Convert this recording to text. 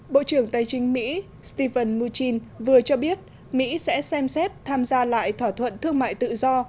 bộ trưởng tài chính mỹ stephen mnuchin vừa cho biết mỹ sẽ xem xét tham gia lại thỏa thuận thương mại tự do